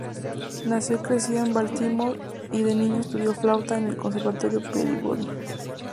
Nació y creció en Baltimore y de niño estudió flauta en el conservatorio Peabody.